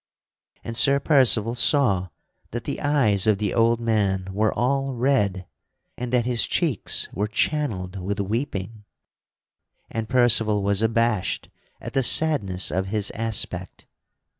And Sir Percival saw that the eyes of the old man were all red and that his cheeks were channeled with weeping; and Percival was abashed at the sadness of his aspect.